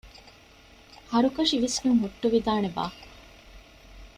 ހަރުކަށި ވިސްނުން ހުއްޓުވިދާނެ ބާ؟